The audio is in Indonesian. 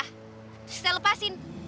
terus kita lepasin